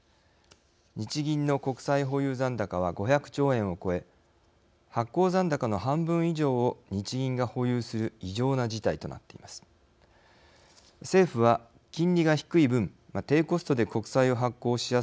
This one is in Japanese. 日銀の国債保有残高は５００兆円を超え発行残高の半分以上を日銀が保有する異常な事態となっています。